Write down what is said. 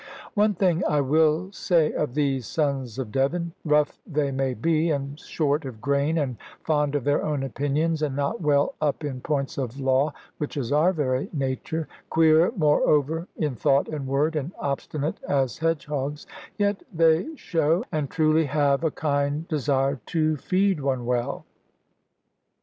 One thing I will say of these sons of Devon: rough they may be, and short of grain, and fond of their own opinions, and not well up in points of law which is our very nature queer, moreover, in thought and word, and obstinate as hedgehogs, yet they show, and truly have, a kind desire to feed one well.